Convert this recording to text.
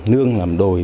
ngương làm đồi